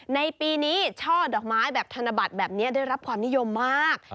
ในปีนี้ช่อดอกไม้แบบธนบัตรแบบนี้ได้รับความนิยมมาก